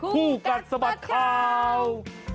คู่กันสมัติข่าว